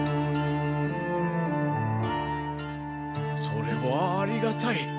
それはありがたい。